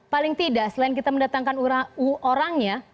paling tidak selain kita mendatangkan orangnya